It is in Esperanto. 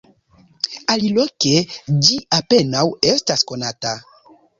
Aliloke ĝi apenaŭ estas konata.